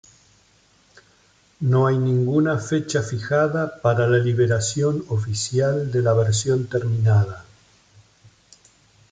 No hay ninguna fecha fijada para la liberación oficial de la versión terminada.